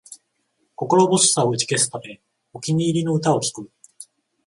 心細さを打ち消すため、お気に入りの歌を聴く